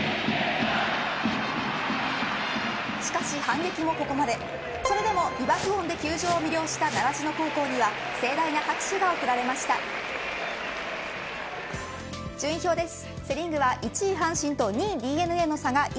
しかし反撃もここまでそれでも美爆音で球場を魅了した習志野高校には順位表です。